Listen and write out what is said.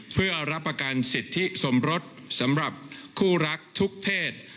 เพื่อรับประกันสิทธิสมรสสำหรับคู่รักทุกเพศ